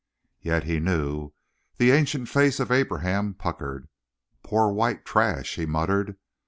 "Yet he knew." The ancient face of Abraham puckered. "Po' white trash!" he muttered.